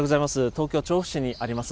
東京・調布市にあります